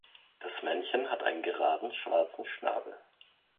Das Männchen hat einen geraden schwarzen Schnabel.